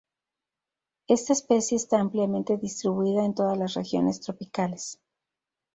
Esta especie está ampliamente distribuida en todas las regiones tropicales.